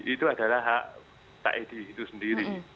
itu adalah hak pak edi itu sendiri